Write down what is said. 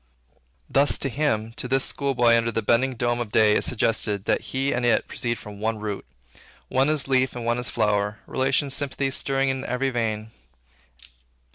Thus to him, to this school boy under the bending dome of day, is suggested, that he and it proceed from one root; one is leaf and one is flower; relation, sympathy, stirring in every vein.